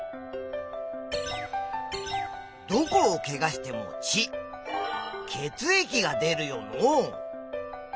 どこをケガしても血血液が出るよのう。